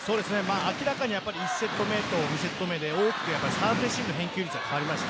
明らかに１セット目と２セット目で大きくサーブレシーブの返球率が変わりました。